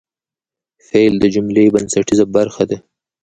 فعل د جملې بنسټیزه برخه ده.